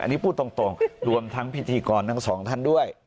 อันนี้พูดตรงรวมทั้งพิธีกรทั้งสองท่านด้วย